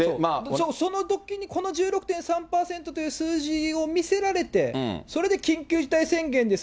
そのときに、この１６．３％という数字を見せられて、それで緊急事態宣言です。